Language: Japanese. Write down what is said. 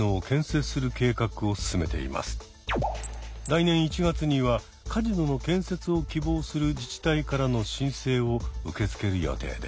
来年１月にはカジノの建設を希望する自治体からの申請を受け付ける予定です。